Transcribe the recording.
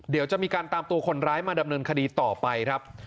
เดี๋ยวจะมีการตามตัวคนร้ายมาดำเนินคดีต่อไปครับ